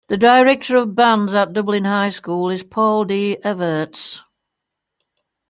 The director of bands at Dublin High School is Paul D. Everts.